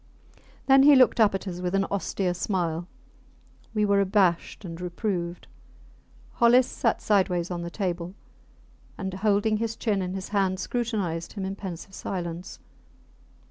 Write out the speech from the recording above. Then he looked up at us with an austere smile. We were abashed and reproved. Hollis sat sideways on the table and, holding his chin in his hand, scrutinized him in pensive silence.